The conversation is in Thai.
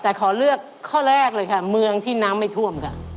แต่ขอเลือกข้อแรกเลยค่ะเมืองที่น้ำไม่ท่วมค่ะ